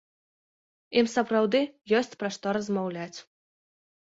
Ім сапраўды ёсць пра што паразмаўляць.